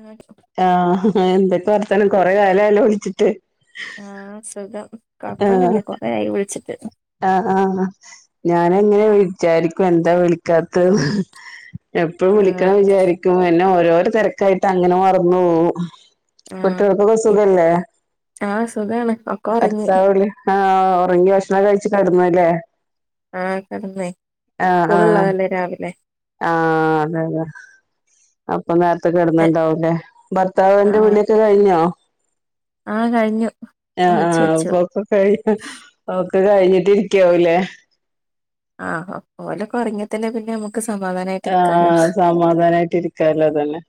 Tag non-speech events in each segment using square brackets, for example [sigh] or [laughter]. ആഹ് ആഹ് എന്തൊക്കെ വർത്താ നം കൊറെ കാലായല്ലോ വിളിച്ചിട്ട് ആ സുഖം കൊഴപ്പൊന്നുമില്ല കൊറയായി വിളിച്ചിട്ട് ആ ആഹ് ഞാന എങ്ങനെ വിചാരിക്കും എന്താ വിളിക്കാത്ത് ന്ന് എപ്പോഴും ആഹ് വിളിക്കണം വിചാരിക്കും എന്നെ ഓരോ ര തിരക്കായിട്ട് അങ്ങനെ മറന്ന പോകും ആഹ് കുട്ടികളൊക്കെ ഇ- സുഖല്ലേ ആഹ് സുഖാണ് ഒക്കെ ഒറങ്ങി അടുത്താളി ആ തുങ്കി ഭഷണം കഴിച്ചു കിടന്നല്ലേ ആ കട ന്നേ സ്കൂളള്ളതല്ലേ രാവിലെ ആ അതെ അതെ ആ അപ്പൊ നേരത്തെ കിടന്നണ്ടാവുംല്ലെ ഭർത്താവി ന്റെ ആഹ് വിളിയൊക്കെ കഴിഞ്ഞോ ആഹ് കഴിഞ്ഞു ആ ആ വിളിച്ചു വെച്ചു [unintelligible] ഒക്കെ കഴിഞ്ഞിട്ട് ഇരിക്കാവല്ലേ ആഹ് ഓലൊക്കെ ഉറങ്ങിയത്തല്ലേ പിന്നെനമുക്ക് ആ സമാധാനായിട്ട് ഇരിക്കാല്ലോ തന്നെ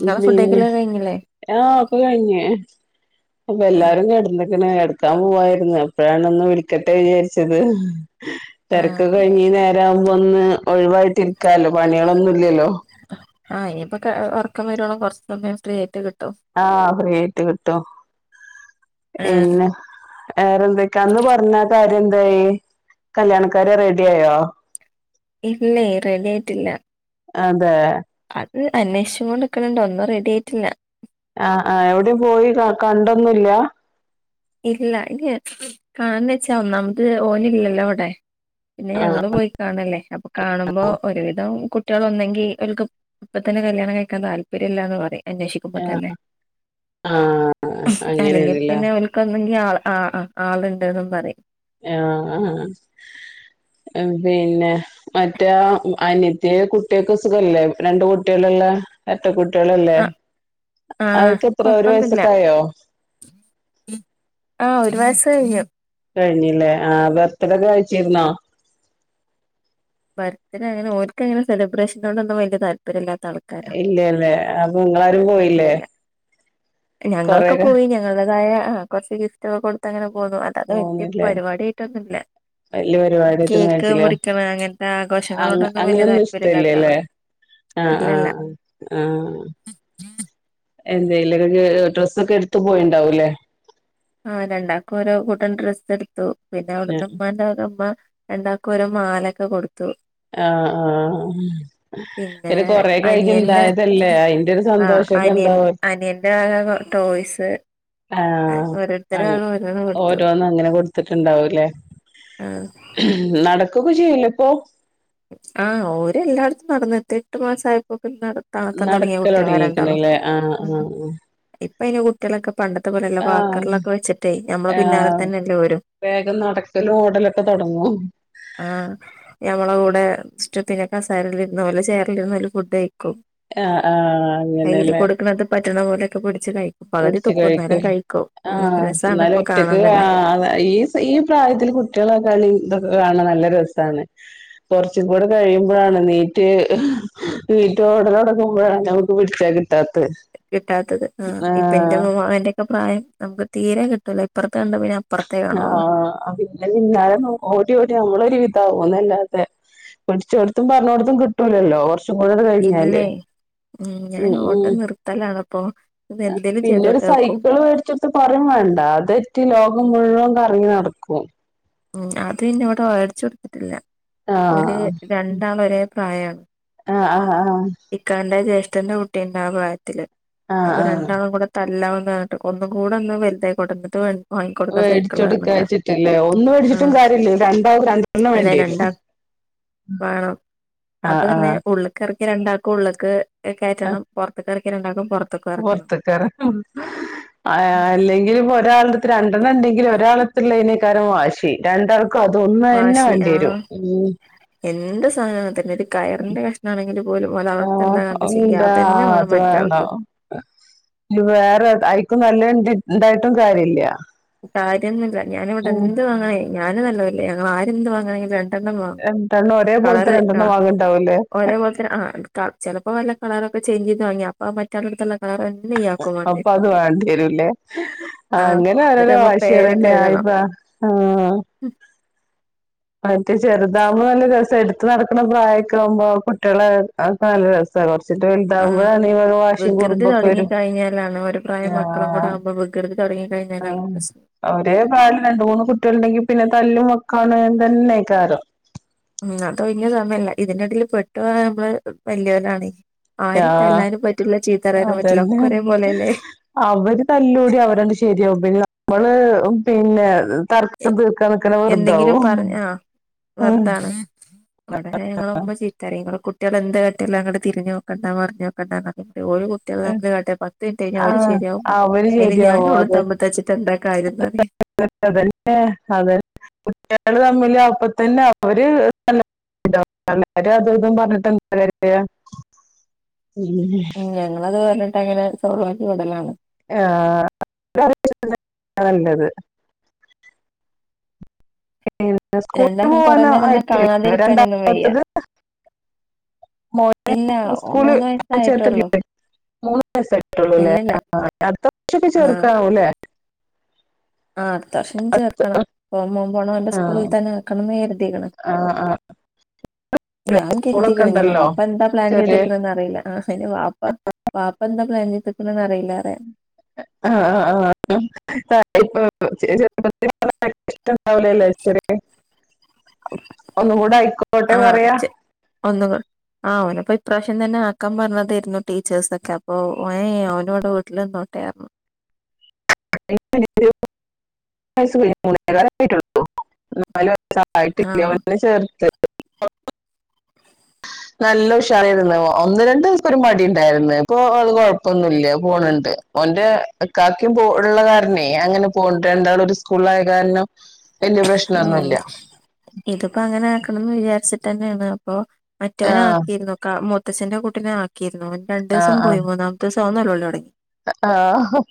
ഇങ്ങളെ പിന്നെ ഫുഡഴിക്കലൊക്കെ കഴിഞ്ഞില്ലേ ആ ഒക്കെ കഴിഞ്ഞു അപ്പൊ ആഹ് എല്ലാരും കിടന്ന ഇങ്ങനെ എടുക്കാൻ പോവായിരുന്നു അപ്പോഴാണ് ഒന്ന് വിളിക്കട്ടെ വിചാരിച്ചത് തിരക്ക് ആഹ് കഴിഞ് നേര ആവുമ്പോ ഒന്ന് ഒഴിവായിട്ട്ിരിക്കല്ലോ പണികളൊന്നുംല്ലല്ലോ ആഹ് ഇനിയിപ്പൊ ഉറക്കം വരുോണം കൊറച്ച് സമയം ഫ്രീ ആയിട്ട് കിട്ടും ആ ഫ്രീ ആയിട്ട് കിട്ടും ആഹ് പിന്ന വേറെന്തക്കാ അന്ന് പറഞ്ഞ കാര്യം എന്തായി കല്യാണക്കാരെ റെഡി ആയോ ഇല്ലേ റെടിയായിറ്റില്ല അതെ അത് അന്വേഷിച്ചം കൊണ്ട്ക്കണണ്ടോ ഒന്നും റെഡി ആയിട്ടില്ല ആ ആ എവിടെ പോയി കണ്ടൊന്നില്ല ഇല്ല ഇത് കാണന്ന് വെച്ച നമത് ഓന ഇല്ലല്ലോ വിടെ പിന്നെ ആഹ് ഞങ്ങള്ൾ പോയി കാണല്ലേ അപ്പൊ കാണുമ്പോ ഒരുവിധം കു കുട്ടികളൊന്നെങ്കിൽ ഓല്ക് ഇപ്പം തന്നെ കല്യാണം കഴിക്കാൻ താല്ര്യമില്ലാന്ന് പറയും അന്വേഷിക്കുമ്പോ ആഹ് തന്നെ ആഹ് അല്ലെങ്കിൽ അങ്ങനെയാണല്ലേ പിന്നെ [unintelligible] ആ ആ ആളുണ്ട്ന്ന് പറയും ആഹ് പിന്നെ മറ്റേ അനത്തി കുട്ടികൾക്ക് സുഖല്ലേ രണ്ട് കുട്ടികള എ എരറ്റ കുട്ടികളല്ലേ ആ ആ അവർക്ക് എത്ര ഒരു കൊഴപ്പൊന്നില്ല വയസ്സൊക്കെ ആയോ ആ ഒരു വയസ് കയിഞ്ഞു കഴിഞ്ഞില്ലേ ആ ബെർത്ഡേയ് കഴിച്ചിരുന്നോ ബർത്ത് ഡേ അങ്ങനെ ഓൽക്ക് അങ്ങനെ സെലിബ്രേഷന കൊണ്ടൊന്നും വല താല്പര്യമല്ല ഇല്ലല്ലേ അപ്പൊ നിങ്ങളാരും പോയില്ലേ ഇല്ലല്ല ഞങ്ങളൊക്കെ കൊറെക്കെ പോയി ഞങ്ങളേതായ കുറച്ച് ഗിഫ്റ്റ്ൊക്കെ കൊടുത്തങ്ങനെ പോന്നുന്നു അതാതോ എന്റെ ഇപ്പ പോന്നില്ലേ പരിപാടിയായിട്ടൊന്നുമില്ല വല്യ കേക്ക് മുറിക്കണ അങ്ങനെ അ അങ്ങനൊന്നും ഇഷ്ടല്ലേല്ലേ ആഹ് ഇല്ലല്ല ആഹ് എന്തേലൊക്കെ ഡ്രസ്സൊക്കെ എടുത്ത് പോയിണ്ടാവൂലേ. ആഹ് രണ്ടാക്കും ഓരോ കൂട്ടം ഡ്രസ്സ് എടുത്തു, പിന്നെ അവിടുന്നുമ്മാന്റെ വക ഉമ്മ രണ്ടാക്കും ഒരു മാലക്കെ കൊടു ആഹ് ആഹ് പിന്നെ കൊറേ കഴിഞ്ഞ് അനിയന്റെ ഇണ്ടായതല്ലേ അതിന്റെ ഒരു ആ സന്തോ അനിയൻ അനിയന്റെ വക ടോയ്സ് ആഹ് ഓരോരുത്തര ആൾ [unintelligible] ഓരോന്ന് കൊടുത്തു ഓരോന്നങ്ങനെ കൊടു ത്തിട്ടുണ്ടാവൂലേ ആ നടക്കൊക്കെ ചെയ്യില്ലേ ഇപ്പൊ ആഹ് ഓര് എല്ലായിടത്തും നടന്നിട്ട് എട്ട് മാസായപ്പോ നട നടത്താൻ തൊടങ്ങിയ കുട്ടികളാ രണ്ടാളും നടക്കലൊടങ്ങീക്ക്ണ്ല്ലേ ആഹ് ഉം ആഹ് ഇപ്പയിന് കുട്ടിയളൊക്കെ പണ്ടത്തെ പോലെയല്ല ആഹ് വാക്കറിലൊക്കെ വെച്ചിട്ടേ, നമ്മള് പിന്നാലെ ആഹ് തന്നെയല്ലേ ഓരും വേഗം നടക്കലും ഓടലൊക്കെ തൊടങ്ങും ആഹ് ഞമ്മളെ കൂടെ ഇഷ്ടത്തിന് കസേരലിരുന്ന്‌ ഓലെ ചെയർലിരുന്ന് ഓല് ഫുഡ് കഴി ക്കും ആഹ് ആഹ് കയ്ല് അങ്ങനെല്ലേ കൊടുക്കണത് പറ്റണ പോലെ [unintelligible] കഴിക്കും ഉം ആഹ് രസാണ് എന്നാലും ഇപ്പൊ കാണാൻ ഒറ്റക്ക് തന്നെ ആ ഈ ഈ പ്രായത്തില് കുട്ട്യാളെ കളി ഇതൊക്കെ കാണ നല്ല രസാണ് കൊറച്ചും കൂടെ കഴിയുമ്പളാണ് നീറ്റ് നീറ്റ് ഓട തൊടങ്ങുമ്പയാണ് നമുക്ക് പിടിച്ച കിട്ടാത്തത് കിട്ടാത്തത് ആ ഇപ്പന്റെ മോന്റെ ഒക്കെ പ്രായം നമുക്ക് തീരെ കിട്ടൂല ഇപ്പറത്ത് കണ്ട പിന്നെ അപ്പുറത്തേ കാണുള്ളൂ ആഹ് പിന്നെ പിന്നാലെ ഓടി ഓടി നമ്മളൊരു വിധ ധാവൂന്നല്ലാത പിടിച്ചോട്ത്തും പറഞ്ഞോട്ത്തും കിട്ടൂലല്ലോ ചൂടണ് കഴിഞ്ഞാലേ ഇല്ലേ ഞാൻ ഉം ഉം ഓട്ടം നിർത്തലാണിപ്പോ ഇത് എന്തേലും പിന്നൊരു ചെയ്തോട്ടെ ഓക്കും സൈക്കിള് മേടിച്ച് കൊടുത്ത പറയ് വേ വേണ്ട അതെറ്റ് ലോകം മുഴുവൻ കറങ്ങി നടക്കും ഉം അത് പിന്നെവിടെ വേടിച്ചു കൊടുത്തിട്ടില്ല ഓല് ആഹ് രണ്ടാളും ഒരേ പ്രായാണ് ആഹ് ആഹ് ആഹ് ച്ചന്റെ കുട്ടിണ്ട് ആ പ്രായത്തില് ആഹ് അപ്പൊ ആഹ് രണ്ടാളും കൂടെ തല്ലാവും ന്ന് പറഞ്ഞിട്ട് ഒന്നു കൂടെ ഒന്ന് വെല്തായിക്കോട്ടേ ന്ന്ട്ട് വേ വേടിച്ചൊടുക്കച്ചിട്ടില്ലേ ഒന്ന് വേടിച്ചിട്ടും ഉം കാര്യല്ലെയ് രണ്ടാളും രണ്ടെണ്ണം വേണ്ടി വെരും വാണം അപ്പൊ പിന്നെ ഉള്ള്ക്കെറക്ക്യ രണ്ടാക്കും ഉള്ള്ക്ക് കേറ്റണം പൊറത്ത റക്ക്യാ രണ്ടാക്കും പുറത്തേക്കും ഇറക്കണം പൊർത്ത്ക്കെറ [unintelligible] ആ അല്ലെങ്കില് ഒരാളെട്ത്ത് രണ്ടെണ്ണം ണ്ടെങ്കില് ഒരാളെട്ത്ത്ള്ളീന് ക്കാരം വാശി രണ്ടാൾക്കും അതൊന്ന് തന്നെ വാശി വേണ്ടി വരും ആഹ് ഉം എന്ത് സാനോം അങ്ങനെത്തന്നെടി കയറിന്റെ കഷ്ണാങ്കിൽ പോലും ഒരാളെടുത്ത് ഇണ്ടായ എന്താ ചെയ്യാ അതെന്നെ വേണം മറ്റാൾക്കും ഇ വേറെ അയ്ക്കും നല്ലത്ണ്ടായിട്ടും കാര്യല്ല കാര്യോന്നുല്ല ഞാനിവിടെ ഉം എന്ത് വാങ്ങണേ ഞാനും നല്ലല്ലേ ഞങ്ങൾ ആരെന്ത്‌ വാങ്ങാണെങ്കിലും [unintelligible] കളറ് രണ്ടെണ്ണം ആഹ് വാങ്ങണ്ടാവൂലേ ഒരേപോലെ തന്നെ ആഹ് ചെലപ്പോ വല്ല കളർ ചേഞ്ച് ചെയ്ത് വാങ്ങ്യ അപ്പൊ മറ്റാളെട്ത്തുള്ള കളർ ഇയാക്കും വേണ്ടി അപ്പൊ വരും. അത് വാണ്ടി വെരുംല്ലേ ആ എന്നിട്ട് അങ്ങനെരോരോ നമ്മ പേരൊക്കെ വാശിയാണ് ആ എഴുതണം പ്പ ആഹ് മറ്റേ ചെറുതാകുമ്പോ നല്ല രസ ഇട്ത്ത് നടക്ക്ണ പ്രായൊക്കാകുമ്പോ കുട്ട്യാളെ നല്ല രസ കൊറ ച്ചിട്ട് ആ വെലുതാവുക വാഷിം വികൃതി കുറുമ്പൊക്കെ തുടങ്ങി വെരും കഴിഞ്ഞാലാണ് ഒരു പ്രായം മക്കളും കൂടെ ആഹ് ആകുമ്പോ വികൃതി തുടങ്ങി കഴിഞ്ഞാലാണ് ആഹ് പ്രശ്നം അവര് [unintelligible] രണ്ട് മൂന്ന് കുട്ട്യാള്ണ്ടെങ്കി പിന്നെ തല്ല് മൊ [unintelligible] ഉം അത് വെല്യ സമയല്ല ഇതിന്റെ എടേല് പെട്ടുപോണത് നമ്മള് വെല്യോലാണെ ആരേം ആഹ് തല്ലാനും പറ്റൂല്ല ചീത്തറയാനും പറ്റൂല്ല അതന്നെ ഒക്കൊ രേ പോലല്ലേ അവര് തല്ലൂടി അവരണ്ട് ശരിയാവും പിന്നെ നമ്മള് പിന്നെ തർക്കം തീർക്കാൻ നിക്കണത് വെറുതാവും വെർതാണ് ഇവടെ ഞങ്ങളെ ഉമ്മ ചീത്തറിയും ഇങ്ങള് കു ട്ട്യാള് എന്ത്‌ കാട്ട്യാലും അങ്ങട്ട് തിരിഞ്ഞോക്കണ്ട മറിഞ്ഞു നോക്കണ്ട ന്ന് പറയും ഒരു കുട്ട്യാളെന്നെ കാട്ട്യാ പത്ത് മിനിറ്റ് കഴിഞ്ഞാ ഓല് ആഹ് ശെരിയാവും മ്മ അവര് അതിന് ഞാനും ശരിയാവും ഓളും അതെ തമ്മ് തച്ച്ണ്ടെന്താ കാര്യം [unintelligible] ഏ അതെ കുട്ട്യാള് തമ്മില് അപ്പൊ തന്നെ ഓല് [inaudible] ആ ഞങ്ങളത് പറഞ്ഞിട്ട് അങ്ങനെ സോൾവാക്കി വിടലാണ് ആ നല്ലത് സ്കൂളിൽ രണ്ടാക്കും കൊറേ നേരം എന്നാ പോവാനായിട്ടില്ലേ കാണാതിരിക്കാനൊന്നും വയ്യ രണ്ടാമത്തത് [unintelligible] ഇല്ല മൂന്ന് വയസ്സായിട്ടുള്ളൂ മൂന്ന് വയസ്സായിട്ടുള്ളൂല്ലേ ഇല്ലില്ല ആ അടുത്ത വർഷൊക്കെ ചേർക്കാവൂല്ലേ ആ അടുത്ത വർഷം ചേർക്കണം മോമ്പോവുമ്പോ മോന്റെ ആ, സ്കൂളിൽ തന്നെ നിക്കണംന്ന് കരുതിക്ക് ണ് ആ ആ [inaudible] ഇല്ല, ഞാൻ സ്കൂളൊക്കെ കരുതിക്ക്ണ് ഞ്ഞി ഉണ്ടല്ലോ വാപ്പ എന്താ പ്ലാൻ ചെറിയ ചെയ്ത്ക്ക്ണ് ന്ന് അറിയില്ല അയിന് വാപ്പ വാ പ്പെന്താ പ്ലാൻ ചെയ്ത്ക്ക്ണ്ന്നറിയൂല ആ ആ [inaudible] ഒന്നും കൂടെ ആയിക്കോട്ടെ പറയാ ആഹ ഓനെപ്പോ ഇപ്രാശ്യം തന്നെ ആക്കാൻ പറഞതേര്ന്നു ടീച്ചേഴ്സൊക്കെ അപ്പൊ ഏ ഓനിവിടെ വീട്ടില് ട്ടേ പറഞ്ഞു [inaudible] സട്ട ആ ചേർത്ത് [unintelligible] [inaudible] നല്ല ഉഷാറിരുന്നു ഒന്ന് രണ്ടു ദിവസ ഒരു പടി ഉണ്ടായിരുന്നു ഇപ്പൊ അത് കൊഴപ്പൊന്നുമല്ല പോണിണ്ട് അവറെ കാക്കും പോ ഉള്ള കാരനേ അങ്ങനെ പോ രണ്ടാൾ ഒരു സ്കൂള ആായ കാരണം വല്യ ഉം പ്രശ്നൊന്നുമില്ല ഇതിപ്പോ അങ്ങനെ ആക്കണംന്ന് വിചാരിച്ചിട്ട തന്നെയാണ് അപ്പൊ മറ്റവന ആഹ് ആക്കിയിരുന്നു മുത്തച്ഛ്ന്റെ കുട്ടനെ ആക്കിയിരുന്നു രണ്ട ദിവസം ആഹ് പോയി മൂന്നമത്തെ ദിവം ആന്നല്ലോ തുടങ്ങി ആഹ് ആഹ്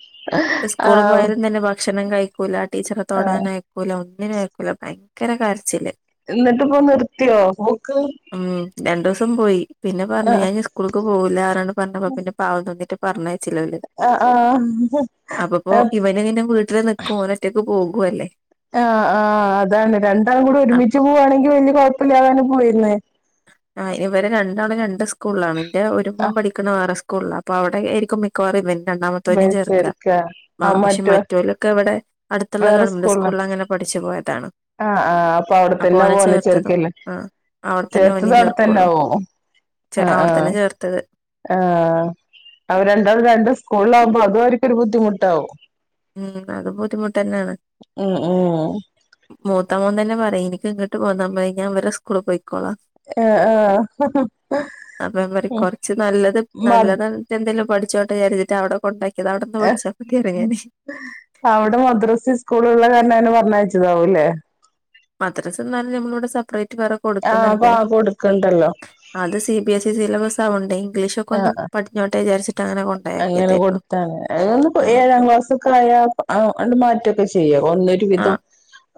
സ്കൂള് ആഹ് പോയാലും തന്നെ ഭക്ഷണം കഴിക്കൂല ടീച്ചറെ ആഹ് തൊടാനയക്കൂല ഒന്നിനും വക്കുള്ള ഭയങ്കര കാർച്ചില് എന്നിട്ട് ഇപ്പൊ നിർത്തിയോ ബക്ക് ഉം രണ്ടു ദിവസം പോയി പിന്നെ പറഞ്ഞു ആഹ് ഞാൻ സ്കൂളൾക്ക് പോകില്ല ആാണ് പറഞ്ഞപ്പ പിന്നെ പാവം തോന്നിട്ട് പറഞ്ഞയച്ചില്ല ആഹ് ആഹ് അപ്പപ്പോ ആഹ് ഇവന് നിന്നെ വീട്ടില് നിക്കും ോന ഒറ്റക്ക് പോകും അല്ലേ ആ് ആ് അതാണ് രണ്ടാളും കൂടി അപ്പൊ ഒരുമിച്ച് പോവാണെങ്കി വല്ലിയ കുഴപ്പമില്ലാവാനും പോയിുന്നേ ആ ഇവരെ രണ്ടാള രണ്ട് സ്കൂളാണ് എന്റെ ഒരു മുോം ആഹ് പഠിക്കണ ആർ എസ് അപ്പ അവിടെ ആരിക്കും മിക്കവാറ ഇവന്റ് രണ്ടാമവും ചേർക്ക വലിച്ചെടുക്ക ആ പക്ഷെ മറ്റലൊക്കെ ഇവിടെ അടുത്തുള്ള വേറെ ഗവൺമെന്റ് സ്കൂളിലാ സ്കൂളിൽങ്ങനെ പഠ ച്ചു പോോയതാണ് ആഹ് ആഹ് അപ്പൊ അവിടെത്തന്നെ പോന്നെ ചെറക്കല്ലേ ആ അവിടെത്തന്നെ ചേത്തത ഓനിം അടത്തന്നെ ചേർക്കുള്ളൂ ആാവോ ആ ആഹ അവിടെത്തന്നെ ചേർത്തത് ആഹ അവ രണ്ടാള രണ്ട് സ്കൂള ആകുമ്പോൾ അത്വർക്ക്ൊരു ബുദ്ധിമുട്ടാാവും ഉം അത് ബുദ്ധിമുട്ട് തന്നെയാണ് ഉം ഉം പത്താോം തന്നെ പറയും എനിക്ക്ിോട്ട്ന്നാ ഞാൻ വരെ സ്കൂള് പോയി ആഏ ആഹ അപ്പ പറ കൊറച്ച് നല്ലത് നല്ലതട്ട എന്തെിലും പഠിച്ച പച്ചോട്ട കാിച്ചട്ട്വിടെ കൊണ്ടാക്കിയത് അവിടെന്ന് പഠിച്ചാൽയ ഞാന് അവിടെ മദ്രസി സ്കൂള ഉള്ള കാരണംന് പറഞ്ഞയച്ചതാവൂല്ലേ മദ്രസ് എന്നാലും നമ്മള ഇടെ സെപ്പറേറ്റ് ആ അപ്പൊ കൊടുക്കണ്ട് ആ കൊടുക്കണ്ടല്ലോ അത് സി ബി എസ് ഇ സിലബ ആണ്ടെ ഇംഗ്ീഷ് ഒെ ആ ഒന്ന് പഠഞ്ഞോട്ട് വിാരിച്ച അങ്ങനെ കൊടുത്താണ് അൊന്ന് ആഹ് ഏഴാം ക്ലാസ്ക്കെ ആയാ അണ്ട് മാറ്റംൊക്കെ ചെയ്യ പോഓന്നൊരു വിധം ആഹ്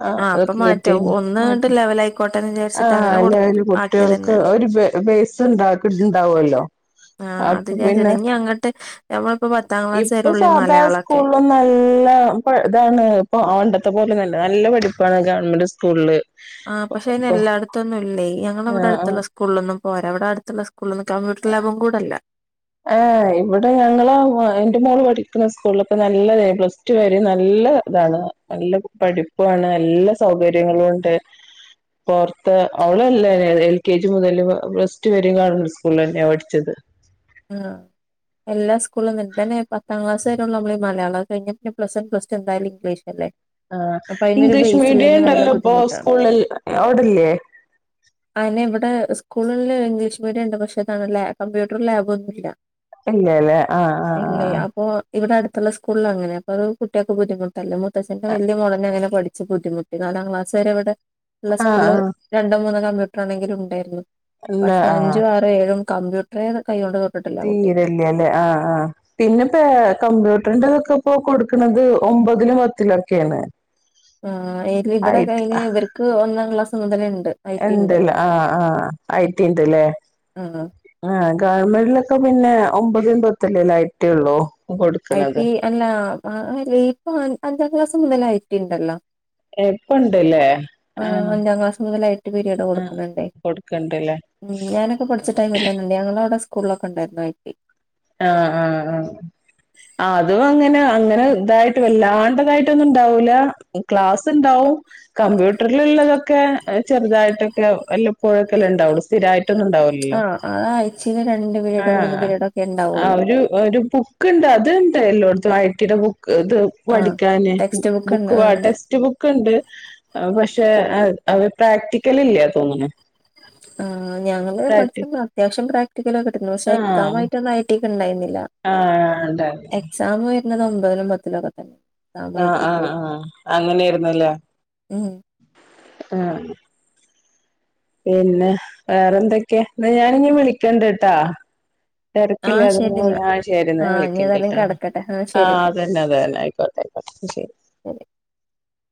ആഹ ആഹ് അപ്പൊ അതൊക്കെ കിട്ടി മാറ്റാവും മാറ്റ ഒന്ന്ങ്ങട്ട് ലെവലായിക്കോട്ടെന്ന് വിചാരിച്ചിട്ട് ആഹ അങ്ങനെ കൊടു എല്ലാവും കുട്ടികൾക്ക് ആക്കിയതന്നെയാണ് വേസ്ണ്ടണ്ടാവല്ലോ ആഹ അത്ച്ച ഇ അങ്ങോട്ട് നമ്മളിപ്പോ പത്താം ക്ലാസ് ഇപ്പൊ വരെയുള്ളൂ ഈ സാധാ മലയാളൊക്കെ സ്കൂളില നല്ല ഇതാണ് ഇപ്പൊ അണ്ട ഇത്തെ പോലെന്നല്ല നല്ല പഠിപ്പാണ് ഗവൺമെന്റ് സ്കൂളില് ആ പക്ഷേ അതിന ഇപ്പൊ എല്ലായിടത്തൊന്നും ഇല്ല ആഹ് ഞങ്ങവിടെടുത്തുള്ള സ്കൂളിൽൊന്നും പോരാ അവിടെ അടുത്തുള്ള കൂന്ന് കമ്പ്യൂട്ടർ ലാബും കൂട അല്ല ആ് ഇവിടെ ഞങ്ങള എന്റെ മോള് പഠിക്കുന്ന സ്കൂളിലൊക്കെ നല്ലത പ്ലസ് ടു ആ നല്ല നല്ല ഇതാണ് നല്ല പഠിപ്പാണ് എല്ലാ സൗകര്യങ്ങളും ഉണ്ട് പറത്ത് അവളല്ല എൽ കെ ജി മുതല് പ്ലസ് വരും കാണണ്ട് സ്കൂള തന്നെ പഠിച്ചത് ആ എല്ലാ സ്കൂളുംണ്ട്ന്നെ പത്താം ക്ലാസ് വെയള്ള നമ്മ മയാളം കഴിഞ്ഞ പിന്നെ പ്ലസ് വൺ പ്സ് ടു എന്താലും ഇംഗ്ലീഷ്ല്ലേ ആഹ ഇംഗ്ലീഷ് മീഡിയം ഉണ്ടല്ലോപ്പൊ ബുദ്ധിമുട്ടാണ് സ്കൂളിൽ അവിടല്ലേ ആയിന ഇവിടെ സ്കൂളില് ഇംഗ്ലീഷ് മീഡിയം ഉണ്ട് പക്ഷെ അതാണ് കമ്പ്യൂട്ടർ ലാബ്ൊന്നുമല്ല ഇല്ലല്ലേ ആഹ് ആഹ് പില്ല ആഹ് അപ്പൊ ഇവിടെ അടുത്ത് അത്തുള്ള സ്കൂള അങ്ങനെ അൊ ഒരു കുട്ടികൾക്ക് ബുദ്ധിുട്ടല്ല മുത്തച്ഛന്റെ വല മോളനെങ്ങനെ പഠിച്ച് ബുദ്ധിമുട്ടി നാലാം ക്ലാസ് വരെ ഇവിടെ ഉള്ള ആഹ് സ്കൂള് ആഹ് രണ്ടോ മൂന്നോ കമ്പ്യൂട്ടർ ആണെങ്കിലും ഉണ്ടായിരുന്നു ഉണ്ട് പഷേ ആഹ് അഞ്ചും ആറും ഏഴുഒന്നും കമ്പ്യൂട്ട്റെ കയ്യോണ്ട് തീരല്ല്യലേ ആ ആ പിന്ന പ്പേ കമ്പ്യൂ പ്പ ട്ടണ്ടതൊക്കെ പ്പം കൊട്ക്ക്ണത് ഒമ്പതിലും പത്തിലൊക്കേണ് ആ [unintelligible] ഇബടെ കഴിഞ്ഞ് ഇവര്ക്ക് ഒന്നാം ക്ലാസ് മുതലേ ൺ- രണ്ട്ല് ആ ആ ഐ ട്ടി ണ്ട്ലേ ആ ആ ഗവൺമെന്റിലൊക്കെ പിന്നെ ഒമ്പതുംപത്ത്ലുഎല്ലേ ഐ ട്ടി ഒള്ളൂ ഐ ട്ടി അല്ല ആ ഇപ്പ അഞ്ചാം ക്ലാസ് മുതലേ ഐ ട്ടി ഇണ്ടല്ലോ ഇപ്പ ഇണ്ടല്ലേ ആ ആഹ് അഞ്ചാം ക്ലാസ് മുതലേ ഐ ട്ടി പിരീഡ് ആഹ് കൊട്ക്ക്ണ് ണ്ട് കൊടുക്കണ്ടല്ലേ ഉം ഞാനൊക്കെ പഠിച്ച ടൈം ഇ [inaudible] പഠ്ച്ച ട്ടയ്മ് തന്ന ണ്ട് ഞങ്ങള ഔടെ സ്കൂൾളൊക്കെ ഇണ്ടായിരുന്നു ഐ ട്ടി ആ ആ ആ അതും അങ്ങനെ അങ്ങനെ തായിട്ട് വല്ലാണ്ടതായിട്ടൊന്നും ഇണ്ടാഊല ക്ലാസ്സ് ണ്ടാഉം കമ്പ്യൂട്ടർല്ള്ളതൊക്കെ ചെർതായിട്ടൊക്കെ വല്ലപ്പോഴൊക്കെല്ലെ ണ്ടാഉ സ്ഥിരായ് ആ അത് ആയ്ച്ചേല് രണ്ട് പീരീഡ് മൂന്ന് പിരീഡൊ ക്കെ ണ്ടാ ആ ഒരു ഒര് ബുക്ക്ണ്ട് അത്ണ്ട് എല്ലോട്ത്തും ഐ ട്ടി ടെ ബു കേട്ട് ആഹ് പഠിക്കാന് ബു ടെക്സ്റ്റ് ഉണ്ട് ബുക്ക് പ ഉണ്ട്. ടെക്സ്റ്റ് ബുക്ക് ഇണ്ട് പക്ഷെ അത് അത് പ്രാക്ടിക്കലില്ല തോന്ന്ണു ആ ഞങള് പഠിച്ചപ്പ അത്യാവ്ശ്യം പ്രാക്ടിക്കലൊക്കെ കിട്ടിന്നു പക്ഷെ എക്സാം ആഹ് ആയിട്ടാന്ന് ഐ ട്ടി ഒക്കെ ഇണ്ടായിന് ല ആഹ് ഉണ്ടായിരുന്നു എക്സാമ് വെര്ന്നത് ഒമ്പതിലും പത്തിലൊക്കെ തന്നെ എക്സാം ഐ ആ ആ ടിക്ക് ആ വരുന്നത് അങ്ങനെയ്രുന്നല്ലേ ഉം പിന്നെ വേറന്തൊക്കെ ന്ന ഞാന്ഞ് വിളിക്കണ്ട് ട്ടോ തെരക്കില്ല ആഹ് ശരിന്നാ അ [inaudible] ആ ശെരി ന്നാ ഞാ ആഹ് ഇനി ഏതായാലും വിളിക്കണ്ട്ട്ടോ കിടക്കട്ടെ ആഹ് ആ ശരിന്നാ അതന്നെ അതന്നെ അയ്ക്കോട്ടെ അയ്ക്കോട്ടെ മ് ശെരി [unintelligible]